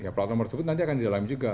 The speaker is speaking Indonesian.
plat nomor tersebut nanti akan di dalam juga